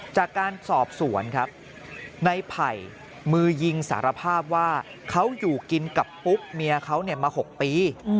จากการสอบสวนครับในไผ่มือยิงสารภาพว่าเขาอยู่กินกับปุ๊กเมียเขามา๖ปี